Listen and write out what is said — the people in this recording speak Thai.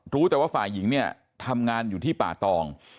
รู้แต่ว่าฝ่ายหญิงเนี่ยทำงานอยู่ที่ป่าตอง